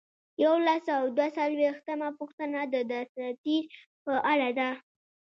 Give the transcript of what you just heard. یو سل او دوه څلویښتمه پوښتنه د دساتیر په اړه ده.